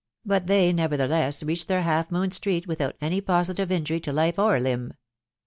. but they nevertheless reached their Half Moon Street witbott any positive injury to life or limb.